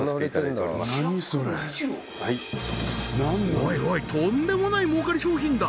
おいおいとんでもない儲かり商品だ